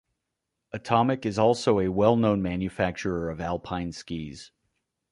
Atomic is also a well-known manufacturer of alpine skis.